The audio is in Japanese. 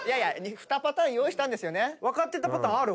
２パターン用意したんですよね？